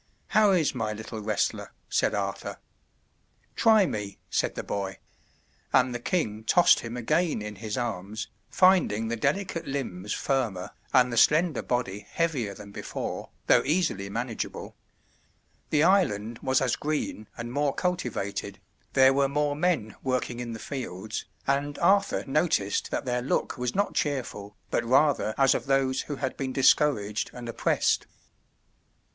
"How is my little wrestler?" said Arthur. "Try me," said the boy; and the king tossed him again in his arms, finding the delicate limbs firmer, and the slender body heavier than before, though easily manageable. The island was as green and more cultivated, there were more men working in the fields, and Arthur noticed that their look was not cheerful, but rather as of those who had been discouraged and oppressed.